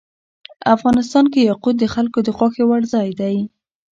افغانستان کې یاقوت د خلکو د خوښې وړ ځای دی.